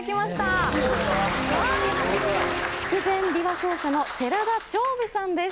筑前琵琶奏者の寺田蝶美さんです。